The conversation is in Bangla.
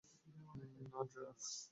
না, ড্রাক।